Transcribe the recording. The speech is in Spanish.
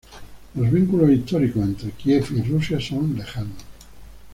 Los vínculos históricos entre Kiev y Rusia son lejanos.